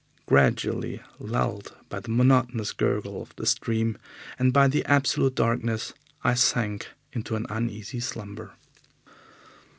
Gradually, lulled by the monotonous gurgle of the stream, and by the absolute darkness, I sank into an uneasy slumber.